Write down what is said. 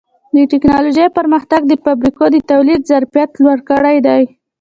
د ټکنالوجۍ پرمختګ د فابریکو د تولید ظرفیت لوړ کړی دی.